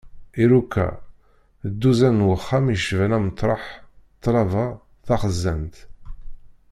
Iruka, d dduzan n wexxam yecban ameṭreḥ, ṭṭlaba, taxzant...